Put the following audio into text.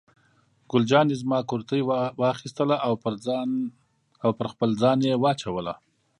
ګل جانې زما کورتۍ واخیستله او پر خپل ځان یې واچوله.